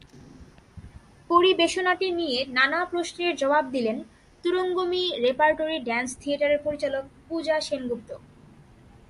পরিবেশনাটি নিয়ে নানা প্রশ্নের জবাব দিলেন তুরঙ্গমী-রেপার্টরি ড্যান্স থিয়েটারের পরিচালক পূজা সেনগুপ্ত।